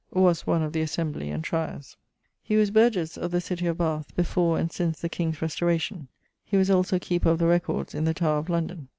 [LXV.] Was one of the assembly and tryers. He was burghesse of the citie of Bath, before and since the king's restauration. He was also Keeper of the Records in the Tower of London.